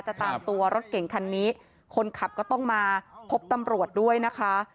ตามตัวรถเก่งคันนี้คนขับก็ต้องมาพบตำรวจด้วยนะคะ